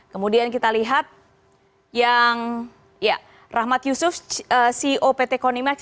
kemudian kita lihat yang ya rahmat yusuf ceo pt konimax